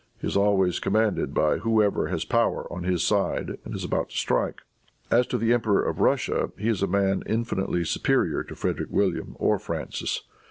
He is always commanded by whoever has power on his side, and is about to strike. "As to the Emperor of Russia, he is a man infinitely superior to Frederic William or Francis.